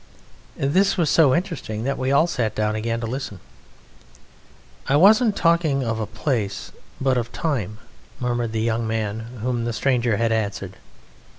This was so interesting that we all sat down again to listen. "I wasn't talking of place, but of time," murmured the young man whom the stranger had answered.